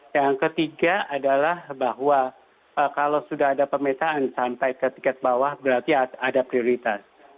yang ketiga adalah bahwa kalau sudah ada pemetaan sampai ke tingkat bawah berarti ada prioritas